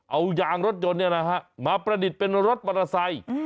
เอายางรถยนต์นี่นะฮะมาประดิษฐ์เป็นรถประสัย